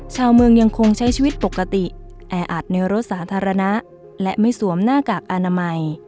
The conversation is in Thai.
ชาวเมืองยังคงใช้ชีวิตปกติแออัดในรถสาธารณะและไม่สวมหน้ากากอนามัย